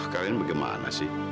kalian bagaimana sih